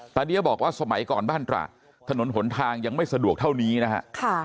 ี้ยวบอกว่าสมัยก่อนบ้านตระถนนหนทางยังไม่สะดวกเท่านี้นะฮะ